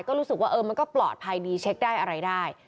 ก็รู้สึกว่าเออมันก็ปลอดภัยดีเช็คได้อะไรได้